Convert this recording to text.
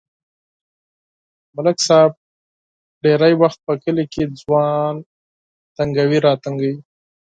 ملک صاحب ډېری وخت په کلي کې ځوان تنگوي راتنگوي.